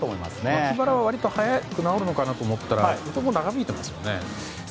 脇腹は割と早く治るのかなと思ったら長引いていますね。